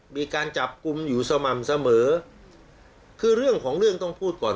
มีการจับกลุ่มอยู่สม่ำเสมอคือเรื่องของเรื่องต้องพูดก่อน